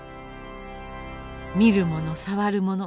見るもの触るもの